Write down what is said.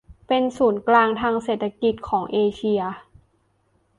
เพื่อเป็นศูนย์กลางทางเศรษฐกิจของเอเชีย